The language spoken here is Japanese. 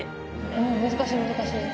うん難しい難しい。